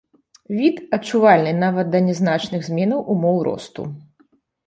Від, адчувальны нават да нязначных зменаў умоў росту.